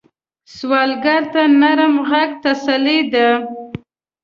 سوالګر ته نرم غږ تسلي ده